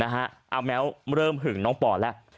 เอาแม้วเริ่มหึงน้องปอแล้ว